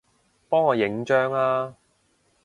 幫我影張吖